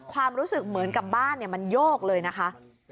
ความรู้สึกเหมือนกับบ้านมันโยกเลยนะคะ